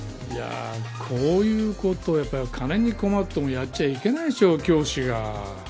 こういうこと、金に困ってもやっちゃいけないでしょう教師が。